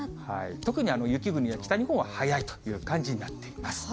特に雪国の北日本は早いという感じになっています。